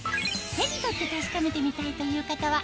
手に取って確かめてみたいという方は